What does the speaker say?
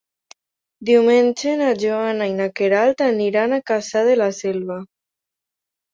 Diumenge na Joana i na Queralt aniran a Cassà de la Selva.